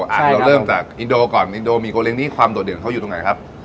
อ่ะเราเริ่มจากอินโดก่อนอินโดมีโกเรงนี้ความโดดเด่นเข้าอยู่ตรงไหนครับ